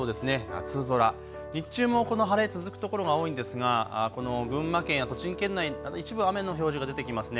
夏空、日中もこの晴れ続くところが多いんですがこの群馬県や栃木県内など一部雨の表示が出てきますね。